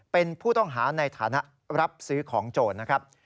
เป็นผู้ต้องหาในฐานะรับซื้อของโจรนะครับ